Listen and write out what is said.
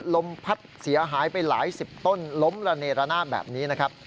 ลมพัดเสียหายไปหลายสิบต้นล้มระเนระนาบแบบนี้นะครับ